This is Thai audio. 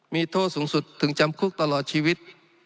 มีโทษสูงสุดถึงจำคุกตลอดชีวิต